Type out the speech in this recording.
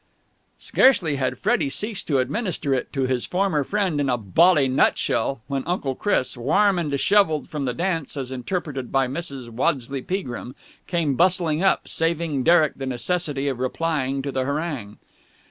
Scarcely had Freddie ceased to administer it to his former friend in a bally nutshell, when Uncle Chris, warm and dishevelled from the dance as interpreted by Mrs. Waddesleigh Peagrim, came bustling up, saving Derek the necessity of replying to the harangue.